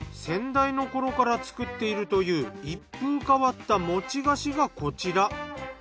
先代の頃から作っているという一風変わった餅菓子がこちら。